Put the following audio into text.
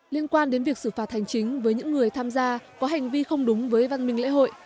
liên quan đến việc xử phạt hành chính với những người tham gia có hành vi không đúng với văn minh lễ hội